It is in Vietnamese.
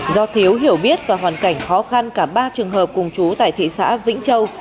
do thiếu hiểu biết và hoàn cảnh khó khăn cả ba trường hợp cùng chú tại thị xã vĩnh châu